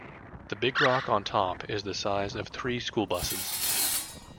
The big rock on top is the size of three school buses.